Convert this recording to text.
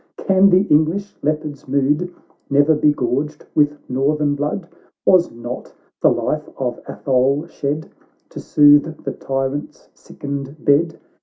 can the English Leopard's mood Never be gorged with northern blood ? Was not the life of Atholex shed, To soothe the tyrant's sickened bed?